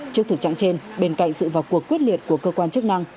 trước thực trạng trên bên cạnh sự vào cuộc quyết liệt của cơ quan chức năng